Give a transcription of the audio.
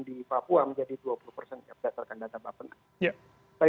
setelah diperjelas beberapa ratus sendiri straight away